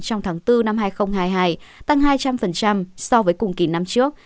trong tháng bốn năm hai nghìn hai mươi hai tăng hai trăm linh so với cùng kỳ năm trước